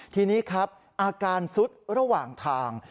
ทีนี้ครับอาการซุดระหว่างทาง